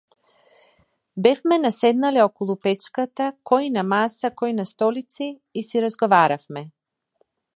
Бевме наседнале околу печката кој на маса кој на столици и си разговаравме.